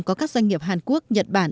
có các doanh nghiệp hàn quốc nhật bản